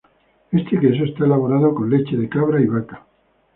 Este queso está elaborado con leche de cabra y vaca.